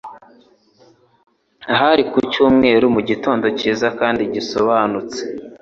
Hari ku cyumweru mugitondo cyiza kandi gisobanutse.